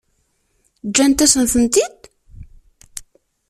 Ǧǧant-asen-tent-id?